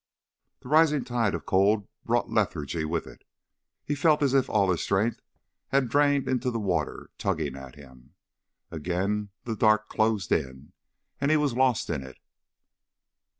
The rising tide of cold brought lethargy with it. He felt as if all his strength had drained into the water tugging at him. Again, the dark closed in, and he was lost in it.